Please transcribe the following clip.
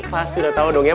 pasti udah tau dong ya